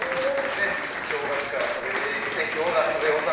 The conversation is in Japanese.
正月から食べてきて今日が食べ納め。